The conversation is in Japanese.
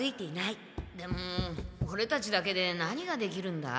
でもオレたちだけで何ができるんだ？